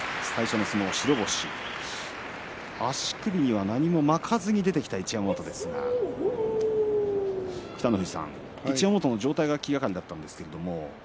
足首には何も巻かずに出てきた一山本ですが北の富士さん、一山本の状態が気がかりだったんですけれども。